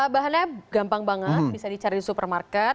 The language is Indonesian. bahannya gampang banget bisa dicari di supermarket